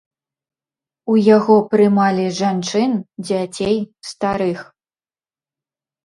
У яго прымалі жанчын, дзяцей, старых.